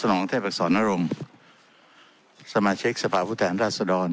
ของเทพศรนรงค์สมาชิกสภาพุทธแห่งราชดร